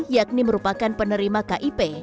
yakni merupakan penerima kip